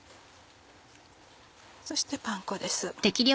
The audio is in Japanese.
そしてパン粉です